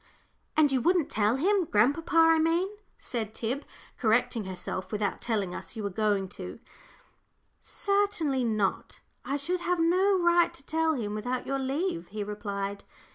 "And you wouldn't tell him grandpapa, I mean," said Tib, correcting herself, "without telling us you were going to?" "Certainly not. I should have no right to tell him without your leave," he replied.